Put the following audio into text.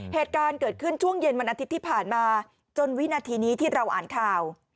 เหตุการณ์เกิดขึ้นช่วงเย็นวันอาทิตย์ที่ผ่านมาจนวินาทีนี้ที่เราอ่านข่าว